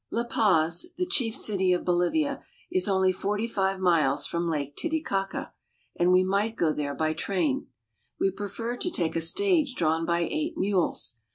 LA PAZ, the chief city of Bolivia, is only forty five miles from Lake Titicaca, and we might go there by train. We prefer to take a stage drawn by eight mules.